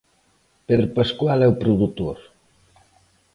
Pedro Pascual é o produtor.